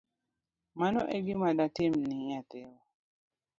Mano egima datimni nyathiwa